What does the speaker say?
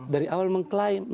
dari awal mengklaim